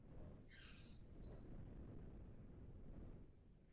Poslední tři jmenované signály ale nejsou v počítači zapojeny.